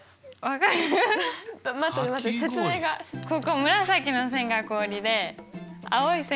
ここ紫の線が氷で青い線がお皿。